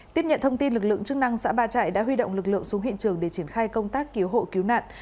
tiếp nhận thông tin lực lượng chức năng xã ba trại đã huy động lực lượng xuống hiện trường để triển khai công tác cứu hộ cứu nạn